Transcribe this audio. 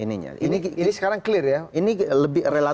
ini sekarang clear ya